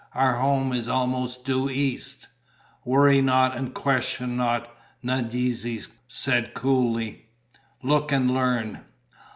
"Our home is almost due east." "Worry not and question not," Nadeze said coolly. "Look and learn."